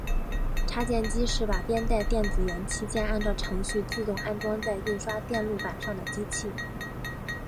插件机是把编带电子元器件按照程序自动安装在印刷电路板上的机器。